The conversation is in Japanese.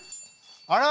あら！